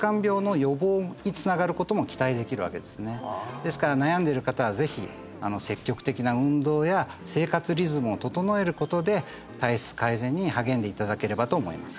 ですから悩んでいる方はぜひ積極的な運動や生活リズムを整えることで体質改善に励んでいただければと思います